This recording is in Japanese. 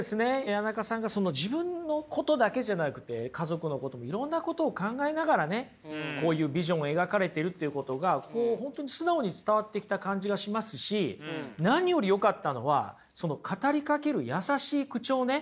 谷中さんが自分のことだけじゃなくて家族のこともいろんなことを考えながらねこういうビジョンを描かれているということが本当に素直に伝わってきた感じがしますし何よりよかったのは語りかける優しい口調ね。